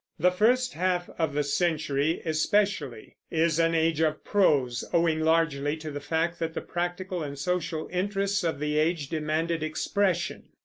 The first half of the century, especially, is an age of prose, owing largely to the fact that the practical and social interests of the age demanded expression.